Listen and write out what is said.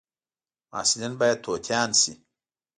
محصلین باید توتیان شي